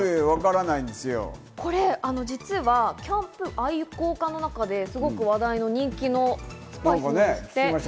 これ実は、キャンプ愛好家の中ですごく話題の人気のスパイスなんですって。